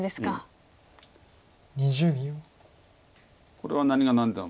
これは何が何でも。